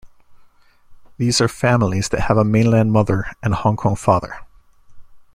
These are families that have a mainland mother and a Hong Kong father.